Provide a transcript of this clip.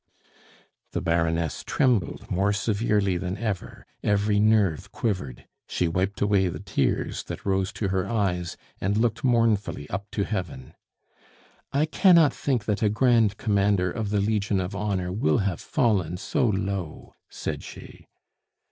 The Baroness trembled more severely than ever; every nerve quivered; she wiped away the tears that rose to her eyes and looked mournfully up to heaven. "I cannot think that a Grand Commander of the Legion of Honor will have fallen so low," said she.